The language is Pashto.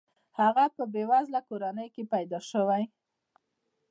هغه په بې وزله کورنۍ کې پیدا شوی.